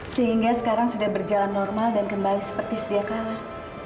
sehingga sekarang sudah berjalan normal dan kembali seperti sedia kalah